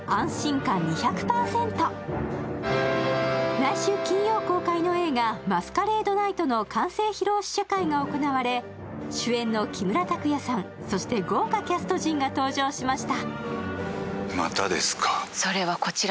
来週金曜公開の映画「マスカレード・ナイト」の完成披露試写会が行われ主演の木村拓哉さん、そして豪華キャスト陣が登場しました。